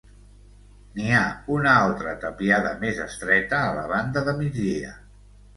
N'hi ha una altra tapiada més estreta a la banda de migdia.